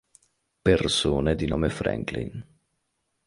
Persone di nome Franklin